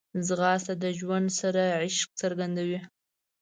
ځغاسته د ژوند سره عشق څرګندوي